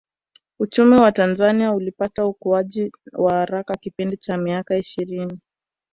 Uchumi wa Tanzania ulipata ukuaji wa haraka kipindi cha miaka ishirini